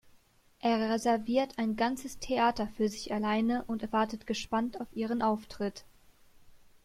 Er reserviert ein ganzes Theater für sich alleine und wartet gespannt auf ihren Auftritt.